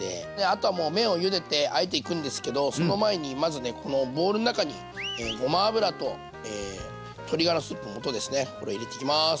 あとはもう麺をゆでてあえていくんですけどその前にまずねこのボウルの中にごま油と鶏がらスープの素ですねこれ入れていきます。